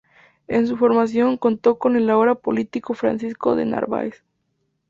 En su formación contó con el ahora político Francisco De Narváez.